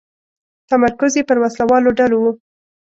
تمرکز یې پر وسله والو ډلو و.